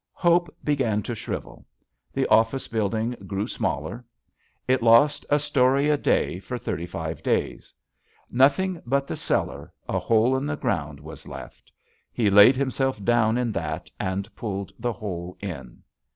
Hope began to shrivel. The office building grew smaller. It lost a story a day for thirty five days. Nothing but the cellar, a hole in the ground, was left. He laid himself down in that and pulled the hole in.